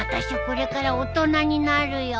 これから大人になるよ。